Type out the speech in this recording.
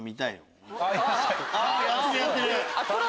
あやってるやってる！